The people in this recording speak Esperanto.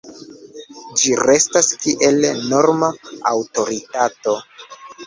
Ĝi restas kiel norma aŭtoritato.